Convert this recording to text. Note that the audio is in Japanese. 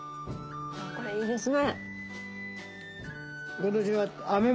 これいいですね。